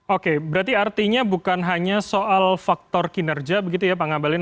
oke berarti artinya bukan hanya soal faktor kinerja begitu ya pak ngabalin